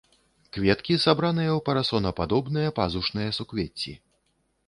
Кветкі сабраныя ў парасонападобныя пазушныя суквецці.